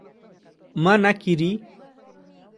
Manaquiri